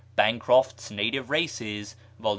(Bancroft's "Native Races," vol.